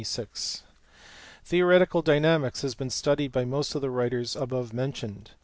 Theoretical Dynamics has been studied by most of the writers above mentioned.